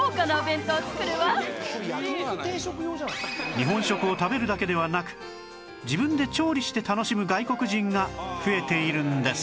日本食を食べるだけではなく自分で調理して楽しむ外国人が増えているんです